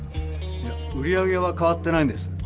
いや売り上げはかわってないんです。